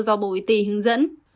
do bộ y tỷ hướng dẫn